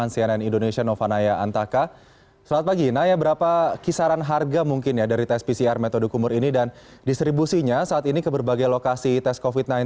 selamat pagi naya berapa kisaran harga mungkin ya dari tes pcr metode kumur ini dan distribusinya saat ini ke berbagai lokasi tes covid sembilan belas